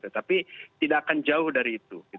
tapi tidak akan jauh dari itu